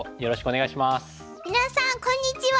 皆さんこんにちは。